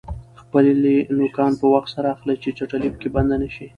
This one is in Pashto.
خپلې نوکان په وخت سره اخلئ چې چټلي پکې بنده نشي.